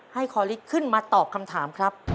คอลิสขึ้นมาตอบคำถามครับ